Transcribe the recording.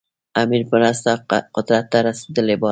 امیر په مرسته قدرت ته رسېدلی باله.